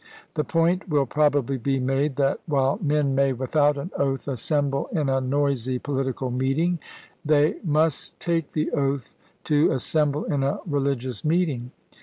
The point will probably be made, that while men may, without an oath, assemble in a noisy po litical meeting, they must take the oath, to assemble in a reUgious meeting.